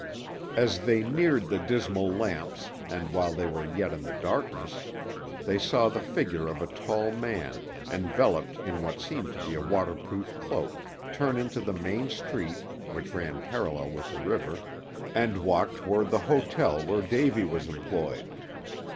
As they neared the dismal lamps, and while they were yet in the darkness, they saw the figure of a tall man, enveloped in what seemed to be a waterproof cloak, turn into the main street, which ran parallel with the river, and walk toward the hotel where Davy was employed.